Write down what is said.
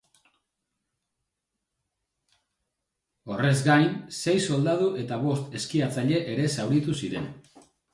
Horrez gain, sei soldadu eta bost eskiatzaile ere zauritu ziren.